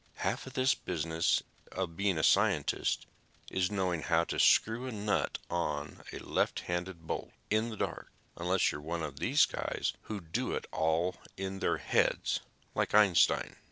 "Half of this business of being a scientist is knowing how to screw a nut on a left handed bolt in the dark. Unless you're one of these guys who do it all in their heads, like Einstein."